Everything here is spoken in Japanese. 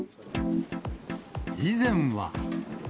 以前は。